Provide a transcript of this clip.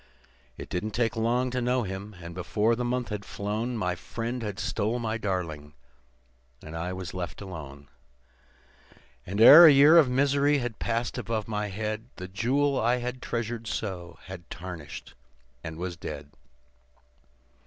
"It didn't take long to know him, and before the month had flown My friend had stole my darling, and I was left alone; And ere a year of misery had passed above my head, The jewel I had treasured so had tarnished and was dead.